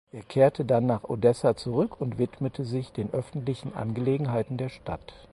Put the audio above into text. Er kehrte dann nach Odessa zurück und widmete sich den öffentlichen Angelegenheiten der Stadt.